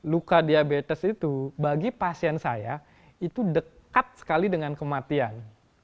luka diabetes itu bagi pasien saya itu dekat sekali dengan kematian